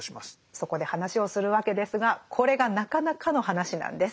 そこで話をするわけですがこれがなかなかの話なんです。